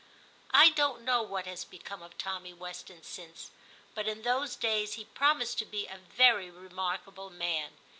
I don't know what has become of Tommy Weston since, but in those days he promised to be a very remarkable man.